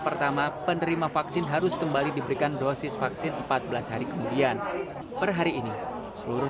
pertama penerima vaksin harus kembali diberikan dosis vaksin empat belas hari kemudian per hari ini seluruh